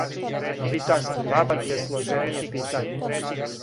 Британски рабат је сложеније питање.